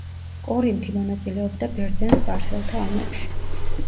კორინთი მონაწილეობდა ბერძენ-სპარსელთა ომებში.